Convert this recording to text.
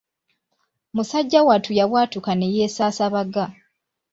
Musajja wattu yabwatuka ne yeesaasabaga.